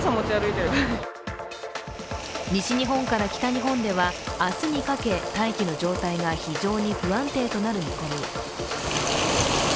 西日本から北日本では明日にかけ大気の状態が非常に不安定となる見込み。